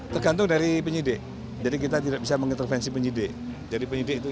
tergantung dari penyidik jadi kita tidak bisa mengintervensi penyidik jadi penyidik itu